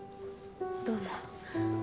どうも。